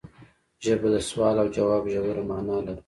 ژبه د سوال او ځواب ژوره معنی لري